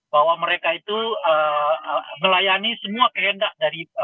bahwa mereka itu melayani semua kehendak dari